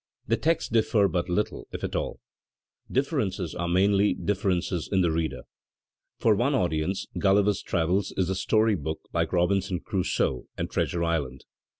The texts differ but little, if at all; differences are mainly differences in the reader. For one audience "Gulliver's Travels'* is a story book like "Robinson Crusoe and "Treasure Island."